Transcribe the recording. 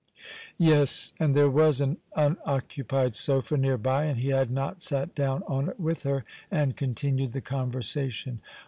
Yes, and there was an unoccupied sofa near by, and he had not sat down on it with her and continued the conversation.